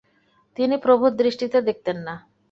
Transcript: তিনি প্রভুর দৃষ্টিতে দেখতেন না।